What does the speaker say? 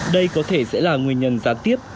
đây có thể sẽ là nguyên nhân gián tiếp